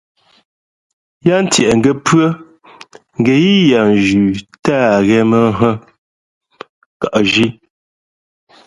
Yáá ntieʼ ngαh pʉ́ά ngα̌ yīī ya ndū tα á ghen mα nhᾱ, nkαʼzhi.